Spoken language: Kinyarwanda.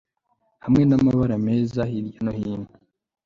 hamwe n'amabara meza hirya no hino